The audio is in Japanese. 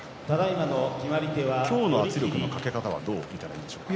今日の圧力のかけ方はどう見たらいいでしょうか。